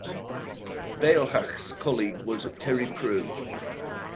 Bailhache's colleague was Terry Prue.